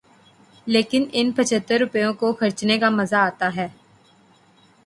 لیکن ان پچھتر روپوں کو خرچنے کا مزہ آتا تھا۔